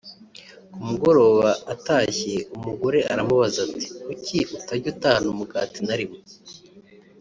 ku mugoroba atashye umugore aramubaza ati “Kuki utajya utahana umugati na rimwe